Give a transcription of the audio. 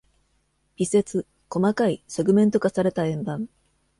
尾節：細かい、セグメント化された円盤